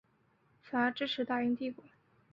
反而支持大英帝国。